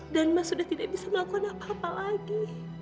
dan mas sudah tidak bisa melakukan apa apa lagi